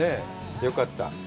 よかった。